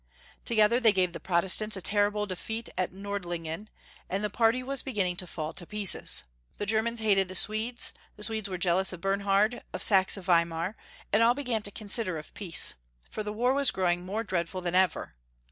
Together, they gave the Protestants a terrible defeat at Nordlingen, and the party was beginning to fall to pieces. The Germans hated the Swedes, the Swedes were jealous of Bernhai'd of Saxe Weimar, and all began to consider of peace, for the war was growing more dreadful than ever.